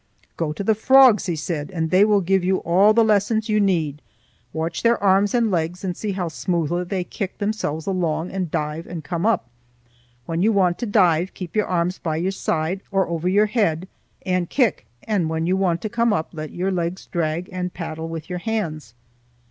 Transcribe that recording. "Go to the frogs," he said, "and they will give you all the lessons you need. Watch their arms and legs and see how smoothly they kick themselves along and dive and come up. When you want to dive, keep your arms by your side or over your head, and kick, and when you want to come up, let your legs drag and paddle with your hands."